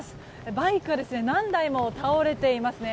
バイクが何台も倒れていますね。